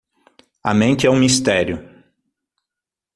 A mente é um mistério.